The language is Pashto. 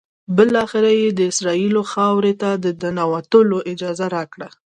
بالآخره یې د اسرائیلو خاورې ته د ننوتلو اجازه راکړه.